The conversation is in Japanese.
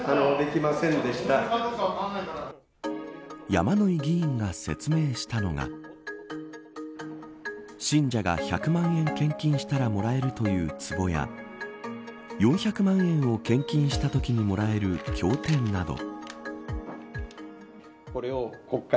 山井議員が説明したのが信者が１００万円献金したらもらえるというつぼや４００万円を献金したときにもらえる経典など。